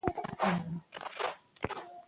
زه په خلکو پيسي بد نه وایم.